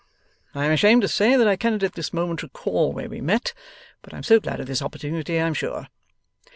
I am ashamed to say that I cannot at this moment recall where we met, but I am so glad of this opportunity, I am sure!